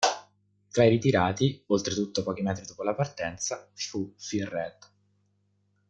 Tra i ritirati, oltretutto pochi metri dopo la partenza, vi fu Phil Read.